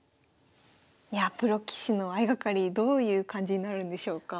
いやプロ棋士の相掛かりどういう感じになるんでしょうか。